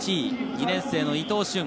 ２年生の伊東駿。